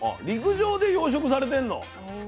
陸上で養殖されてんの？